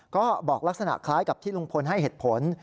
ก็บอกลักษณะคล้ายกับที่ลุงพลให้เหตุผล